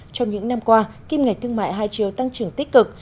trong những năm qua kim ngạch thương mại hai chiều tăng trưởng tích cực